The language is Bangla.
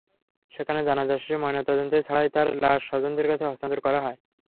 সেখানে জানাজা শেষে ময়নাতদন্ত ছাড়াই তাঁর লাশ স্বজনদের কাছে হস্তান্তর করা হয়।